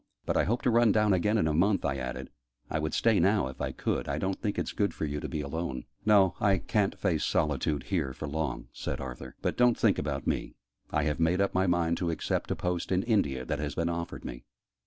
"But I hope to run down again in a month," I added. "I would stay now, if I could. I don't think it's good for you to be alone." "No, I ca'n't face solitude, here, for long," said Arthur. "But don't think about me. I have made up my mind to accept a post in India, that has been offered me.